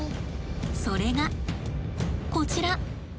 それがこちら。